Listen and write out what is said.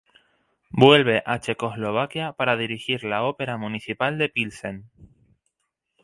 Vuelve a Checoslovaquia para dirigir la Ópera Municipal de Plzeň.